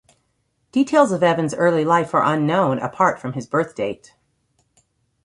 Details of Evans' early life are unknown, apart from his birth date.